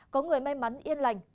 có người may mắn yên lành